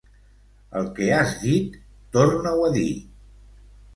El que has dit, torna-ho a dir.